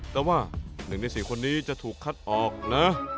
แต่ว่า๑ใน๔คนนี้จะถูกคัดออกนะ